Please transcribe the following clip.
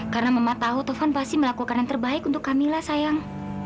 karena mama tahu taufan pasti melakukan yang terbaik untuk kamila sayang